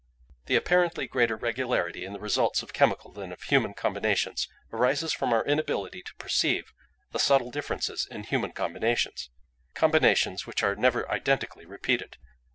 "The apparently greater regularity in the results of chemical than of human combinations arises from our inability to perceive the subtle differences in human combinations—combinations which are never identically repeated.